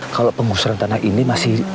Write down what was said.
kalau penggusuran tanah ini masih